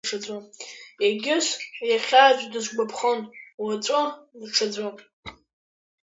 Егьыс, иахьа аӡә дысгәаԥхон, уаҵәы даҽаӡәы.